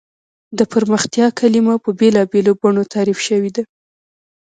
د پرمختیا کلیمه په بېلا بېلو بڼو تعریف شوې ده.